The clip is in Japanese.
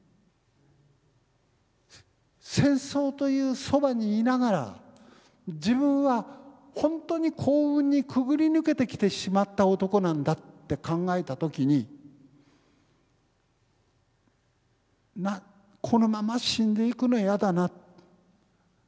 戦争というそばにいながら自分は本当に幸運にくぐり抜けてきてしまった男なんだって考えた時にこのまま死んでいくの嫌だな。